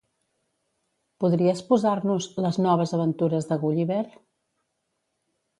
Podries posar-nos "Les noves aventures de Gulliver"?